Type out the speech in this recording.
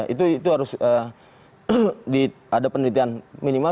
itu harus ada penelitian minimal